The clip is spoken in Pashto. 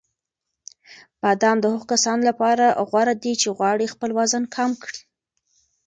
بادام د هغو کسانو لپاره غوره دي چې غواړي خپل وزن کم کړي.